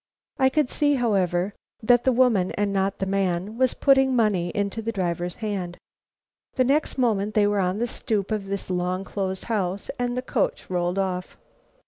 I could see, however, that the woman and not the man was putting money into the driver's hand. The next moment they were on the stoop of this long closed house, and the coach rolled off.